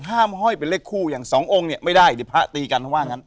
ห้อยเป็นเลขคู่อย่างสององค์เนี่ยไม่ได้เดี๋ยวพระตีกันเขาว่างั้น